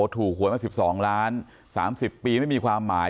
หวยมา๑๒ล้าน๓๐ปีไม่มีความหมาย